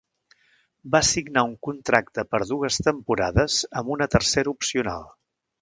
Va signar un contracte per dues temporades amb una tercera opcional.